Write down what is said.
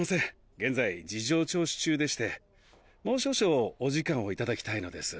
現在事情聴取中でしてもう少々お時間を頂きたいのです。